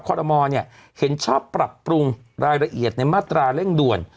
ขอรมอลเห็นชอบปรับปรุงรายละเอียดในมาตราเร่งด่วน